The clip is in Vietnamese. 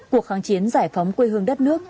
cuộc kháng chiến giải phóng quê hương đất nước